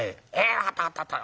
分かった分かった分かった。